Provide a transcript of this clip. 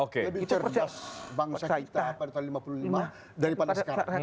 lebih cerdas bangsa kita pada tahun seribu sembilan ratus lima puluh lima daripada sekarang